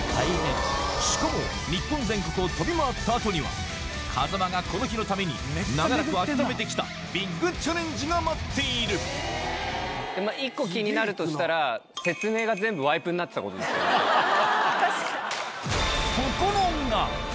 しかも日本全国を飛び回った後には風間がこの日のために長らく温めてきたビッグチャレンジが待っているハハハ！